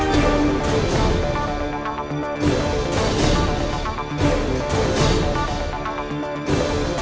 โปรดติดตามต่อไป